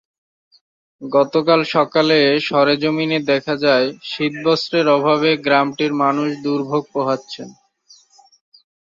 গতকাল সকালে সরেজমিনে দেখা যায়, শীতবস্ত্রের অভাবে গ্রামটির মানুষ দুর্ভোগ পোহাচ্ছেন।